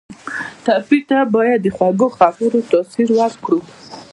ټپي ته باید د خوږو خبرو تاثیر ورکړو.